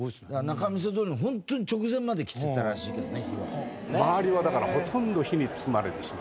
仲見世通りのホントに直前まで来てたらしいけどね火は。